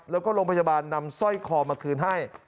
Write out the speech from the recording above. แล้วก็โรงพยาบาลนำสร้อยคอมาคืนให้